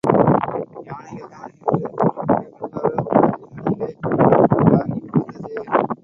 யானைகள்தான் என்று கூறிக்கொண்டே மெதுவாக ஒரு கல்லின் அடியிலே ராகி புகுந்தது.